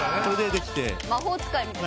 魔法使いみたい。